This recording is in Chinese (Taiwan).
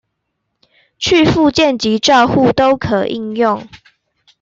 在復健及照護都可應用